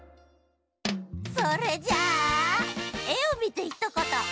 それじゃあ「えをみてひとこと」